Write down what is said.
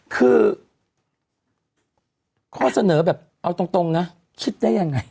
คือข้อเสนอแบบเอาตรงนะคิดได้ยังไง